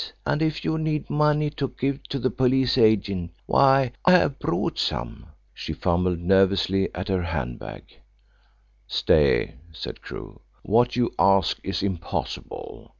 And if you need money to give to the police agent, why, I have brought some." She fumbled nervously at her hand bag. "Stay," said Crewe. "What you ask is impossible.